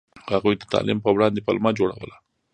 هغوی د تعلیم په وړاندې پلمه جوړوله.